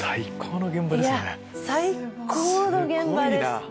最高の現場ですね。